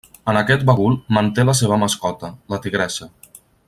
En aquest bagul manté la seva mascota, la tigressa.